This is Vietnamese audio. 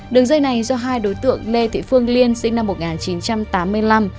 đường dây này do hai đối tượng lê thị phương liên sinh năm một nghìn chín trăm tám mươi năm